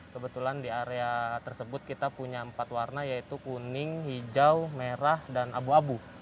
kebetulan di area tersebut kita punya empat warna yaitu kuning hijau merah dan abu abu